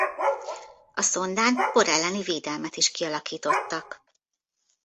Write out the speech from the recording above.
A szondán por elleni védelmet is kialakítottak.